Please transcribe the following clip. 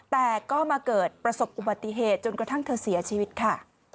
แต่ก็มาเกิดประสบอุบัติเหตุจนกระทั่งเธอเสียชีวิตค่ะ